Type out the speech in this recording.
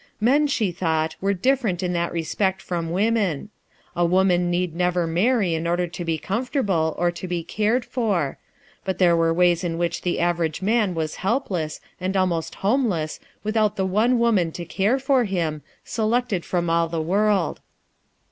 Men, she thought, were different in that respect from women. A woman need never marry in order to be com fortable, or to be cared for; but there were ways in which the average man was helpless and almost homeless without the one woman to care for him, selected from all the world.